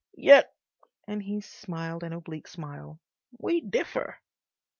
"Yet,"—and he smiled an oblique smile—"we differ."